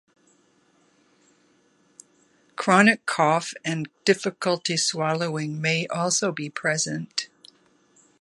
Chronic cough and difficulty swallowing may also be present.